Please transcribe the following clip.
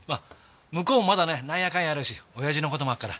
向こうもまだねなんやかんやあるし親父の事もあるから。